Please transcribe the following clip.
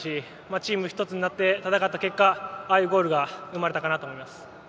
チームが１つになって戦った結果ああいうゴールが生まれたかなと思います。